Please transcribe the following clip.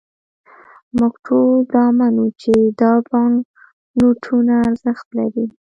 موږ ټول دا منو، چې دا بانکنوټونه ارزښت لري.